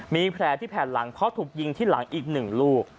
มีแผลที่แผ่นหลังเพราะถูกยิงที่หลังอีก๑ลูก